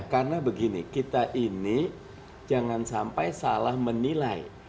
karena begini kita ini jangan sampai salah menilai